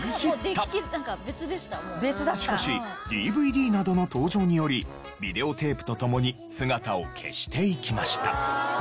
しかしＤＶＤなどの登場によりビデオテープと共に姿を消していきました。